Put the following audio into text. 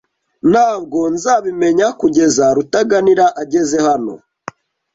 Ntabwo nzabimenya kugeza Rutaganira ageze hano.